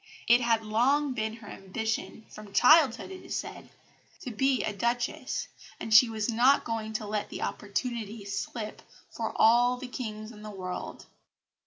It had long been her ambition from childhood, it is said to be a Duchess, and she was not going to let the opportunity slip for all the kings in the world.